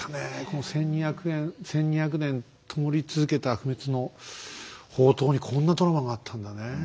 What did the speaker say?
この１，２００年１，２００年ともり続けた不滅の法灯にこんなドラマがあったんだね。